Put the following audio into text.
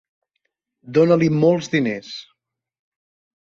Dona-li molts diners.